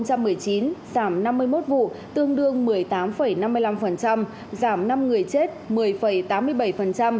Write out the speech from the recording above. giảm năm mươi một vụ tương đương một mươi tám năm mươi năm giảm năm người chết một mươi tám mươi bảy và giảm sáu mươi hai người bị thương